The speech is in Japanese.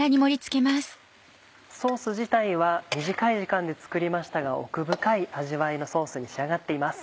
ソース自体は短い時間で作りましたが奥深い味わいのソースに仕上がっています。